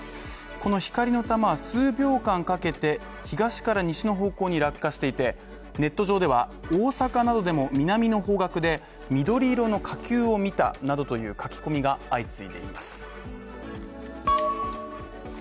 この光の玉数秒間かけて東から西の方向に落下していて、ネット上では、大阪などでも南の方角で、緑色の火球を見たなどという書き込みが相次いでいます。